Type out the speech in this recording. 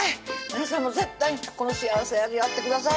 皆さんも絶対この幸せ味わってください